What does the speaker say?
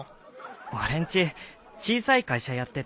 俺んち小さい会社やっててさ